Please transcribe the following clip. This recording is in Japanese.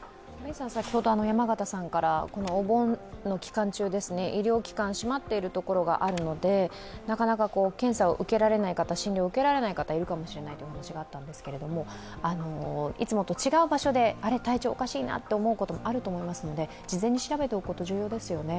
山形さんからお盆の期間中医療機関、閉まっているところがあるのでなかなか検査を受けられない方、診療を受けられない方がいるかもしれないというお話があったんですけれどもいつもと違う場所で体調がおかしいなと思うこともあるかもしれないので事前に調べておくこと重要ですよね。